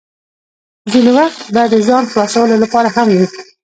ځینې وخت به د ځان خلاصولو لپاره هم وې.